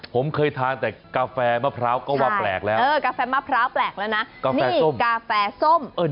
ผมเคยทานแต่กาแฟมะพร้าวก็ว่าแปลกแล้วนะนี่กาแฟส้ม